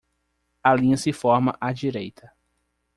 A linha se forma à direita.